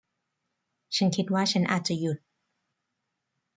ฉันคิดว่าฉันอาจจะหยุด